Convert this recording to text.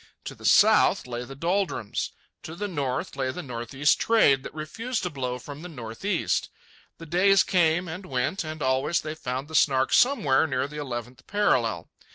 To the south lay the doldrums. To the north lay the northeast trade that refused to blow from the northeast. The days came and went, and always they found the Snark somewhere near the eleventh parallel.